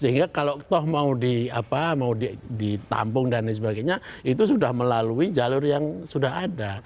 sehingga kalau toh mau ditampung dan lain sebagainya itu sudah melalui jalur yang sudah ada